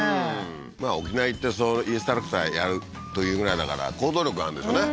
まあ沖縄行ってインストラクターやるというぐらいだから行動力があるんでしょうね